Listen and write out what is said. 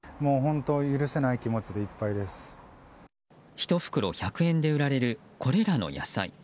１袋１００円で売られるこれらの野菜。